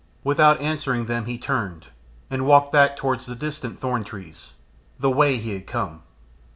Without answering them he turned, and walked back towards the distant thorn trees, the way he had come.